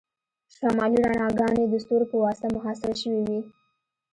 شمالي رڼاګانې د ستورو په واسطه محاصره شوي وي